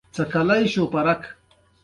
خپل قدرت ته خطر پېښاوه.